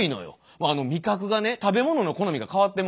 もうあの味覚がね食べ物の好みが変わってもうて。